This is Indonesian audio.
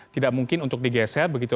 tidak mungkin untuk digeser begitu